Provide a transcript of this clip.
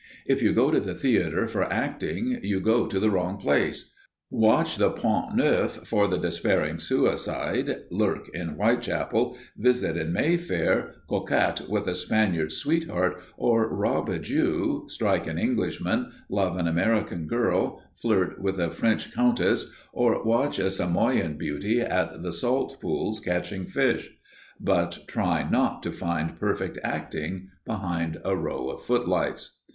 If you go to the theatre for acting you go to the wrong place! Watch the Font Neuf for the despairing suicide, lurk in Whitechapel, visit in Mayfair, coquette with a Spaniard's sweetheart, or rob a Jew, strike an Englishman, love an American girl, flirt with a French countess, or watch a Samoan beauty at the salt pools catching fish; but try not to find perfect acting behind a row of footlights!